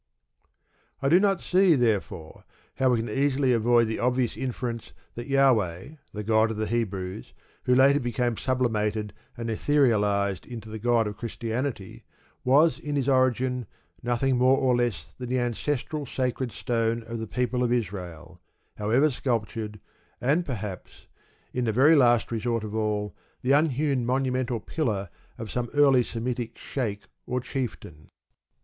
I do not see, therefore, how we can easily avoid the obvious inference that Jahweh the god of the Hebrews, who later became sublimated and etherealised into the God of Christianity, was, in his origin, nothing more nor less than the ancestral sacred stone of the people of Israel, however sculptured, and, perhaps, in the very last resort of all, the unhewn monumental pillar of some early Semitic sheikh or chieftain.